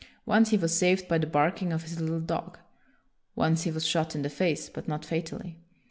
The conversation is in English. Once he was saved by the barking of his little dog. Once he was shot in the face, but not fatally.